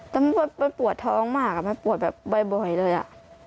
แต่มันปวดท้องมากมันปวดแบบบ่อยเลยอ่ะ